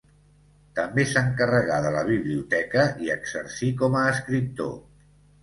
També s'encarregà de la biblioteca i exercí com a escriptor.